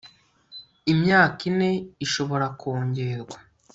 imyaka ine ishobora kongerwa